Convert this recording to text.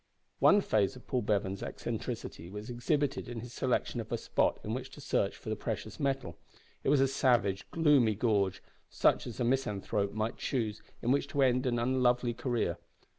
One phase of Paul Bevan's eccentricity was exhibited in his selection of a spot in which to search for the precious metal. It was a savage, gloomy gorge, such as a misanthrope might choose in which to end an unlovely career.